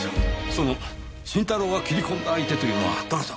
その新太郎が斬り込んだ相手というのは誰だ？